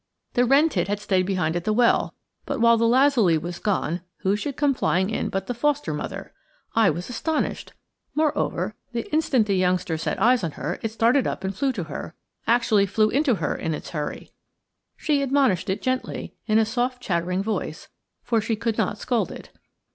The wren tit had stayed behind at the well; but while the lazuli was gone, who should come flying in but the foster mother! I was astonished. Moreover, the instant the youngster set eyes on her, it started up and flew to her actually flew into her in its hurry. She admonished it gently, in a soft chattering voice, for she could not scold it.